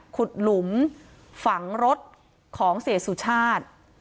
ขุดหลุมฝังรถของเศรษฐสุชาติ